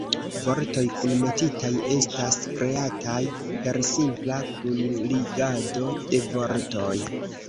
Vortoj kunmetitaj estas kreataj per simpla kunligado de vortoj.